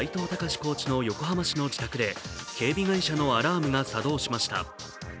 コーチの横浜市の自宅で警備会社のアラームが作動しました。